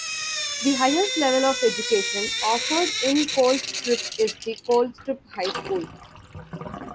The highest level of education offered in Colstrip is the Colstrip High School.